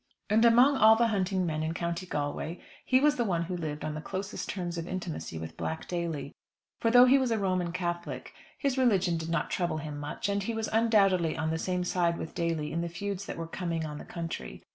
And among all the hunting men in County Galway he was the one who lived on the closest terms of intimacy with Black Daly. For, though he was a Roman Catholic, his religion did not trouble him much; and he was undoubtedly on the same side with Daly in the feuds that were coming on the country.